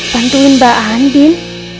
bantuin mbak andin